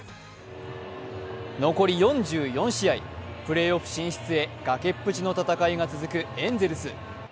残り４４試合、プレーオフ進出へ崖っぷちの戦いが続くエンゼルス。